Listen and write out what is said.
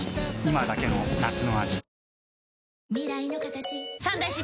今だけの夏の味